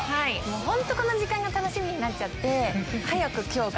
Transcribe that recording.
本当この時間が楽しみになっちゃって。